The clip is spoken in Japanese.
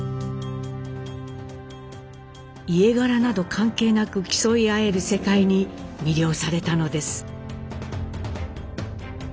家柄など関係なく競い合える世界に魅了されたのです。